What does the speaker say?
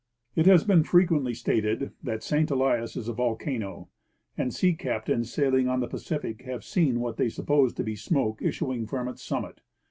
It has been frequently stated that St. Elias is a volcano, and sea captains sailing on the Pacific have seen what they supposd to be smoke issuing from its summit.